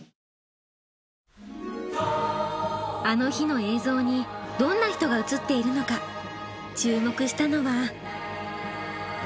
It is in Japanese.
「あの日」の映像にどんな人が映っているのか注目したのは。